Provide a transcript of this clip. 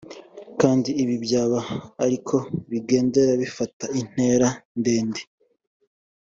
kandi ibi byaha ari ko bigenda bifata intera ndende